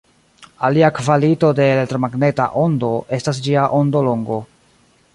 Alia kvalito de elektromagneta ondo estas ĝia ondolongo.